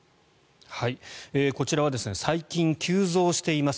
こちらは最近、急増しています